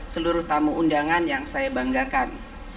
seluruh tamu undangan yang saya banggakan